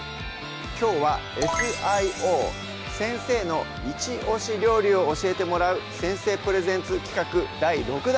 きょうはＳ・Ｉ・Ｏ先生のイチオシ料理を教えてもらう先生プレゼンツ企画第６弾